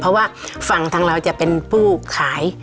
เพราะว่าฝั่งทางเราจะเป็นผู้ขาย